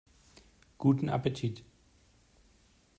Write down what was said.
Guten Appetit!